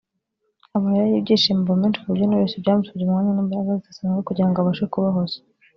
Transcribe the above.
amarira y’ibyishimo aba menshi kuburyo Knowless byamusabye umwanya n’imbaraga zidasanzwe kugirango abashe kubahoza